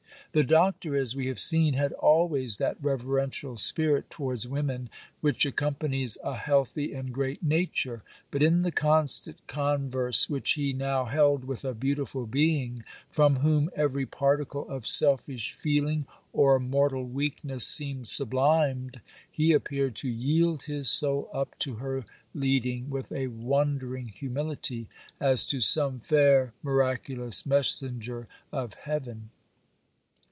The Doctor, as we have seen, had always that reverential spirit towards women which accompanies a healthy and great nature; but in the constant converse which he now held with a beautiful being, from whom every particle of selfish feeling or mortal weakness seemed sublimed, he appeared to yield his soul up to her leading, with a wondering humility, as to some fair miraculous messenger of heaven.